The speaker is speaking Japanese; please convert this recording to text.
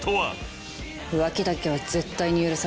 浮気だけは絶対に許さないよ。